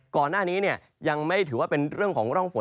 ก่อนหน้านี้ยังไม่ถือว่าเป็นเรื่องของร่องฝน